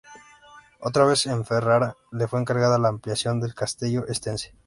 Otra vez en Ferrara, le fue encargada la ampliación del Castello Estense.